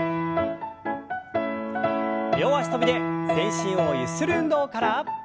両脚跳びで全身をゆする運動から。